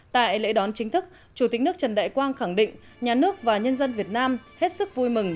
tại lễ đón chính thức chủ tịch nước trần đại quang khẳng định nhà nước và nhân dân việt nam hết sức vui mừng